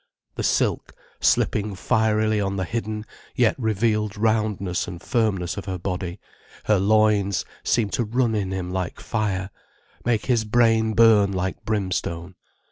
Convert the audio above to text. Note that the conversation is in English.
The silk, slipping fierily on the hidden, yet revealed roundness and firmness of her body, her loins, seemed to run in him like fire, make his brain burn like brimstone.